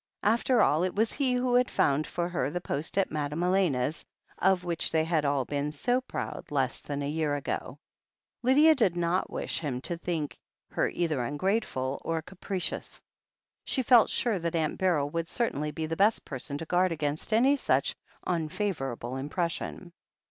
After all, it was he who had found for her the post at Madame Elena's, of which they had all been so proud less than a year ago. Lydia did not wish him to think her either ungrateful THE HEEL OF ACHILLES 251 or capricious. She felt sure that Aunt Beryl would certainly be the best person to guard against any such unfavourable impression.